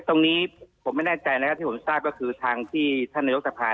ตรงนี้ผมไม่แน่ใจนะครับที่ผมทราบก็คือทางที่ท่านนายกสภา